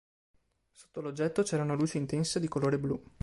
Sotto l'oggetto c'era una luce intensa di colore blu.